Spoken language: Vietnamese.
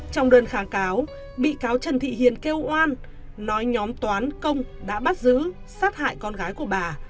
trong đơn kháng cáo bị cáo trần thị hiền kêu oan nói nhóm toán công đã bắt giữ sát hại con gái của bà